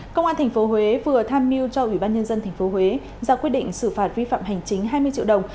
công an tp huế vừa tham mưu cho ủy ban nhân dân tp huế ra quyết định xử phạt vi phạm hành chính hai mươi triệu đồng